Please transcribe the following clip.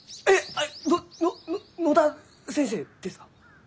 あどのの野田先生ですか？